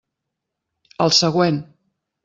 El següent!